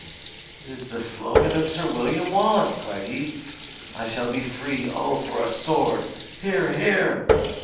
"It is the slogan of Sir William Wallace!" cried he; "I shall be free! O, for a sword! Hear, hear!"